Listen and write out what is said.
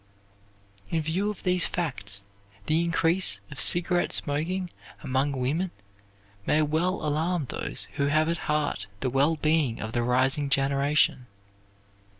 In view of these facts the increase of cigarette smoking among women may well alarm those who have at heart the wellbeing of the rising generation.